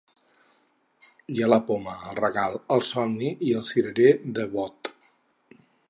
Hi ha la poma, el regal, el somni i el cirerer de Bod.